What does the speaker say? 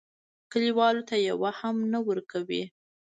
کلیوالو ته یوه هم نه ورکوي.